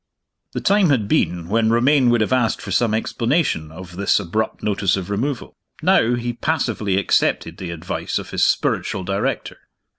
The time had been when Romayne would have asked for some explanation of this abrupt notice of removal. Now, he passively accepted the advice of his spiritual director.